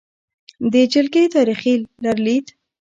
د جلکې تاریخې لرلید: